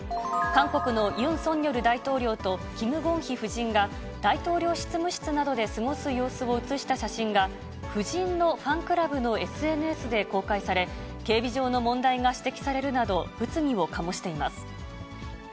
韓国のユン・ソンニョル大統領とキム・ゴンヒ夫人が大統領執務室などで過ごす様子を写した写真が、夫人のファンクラブのＳＮＳで公開され、警備上の問題が指摘されるなど、物議を醸しています。